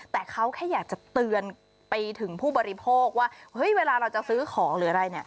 แต่เขาแค่อยากจะเตือนไปถึงผู้บริโภคว่าเฮ้ยเวลาเราจะซื้อของหรืออะไรเนี่ย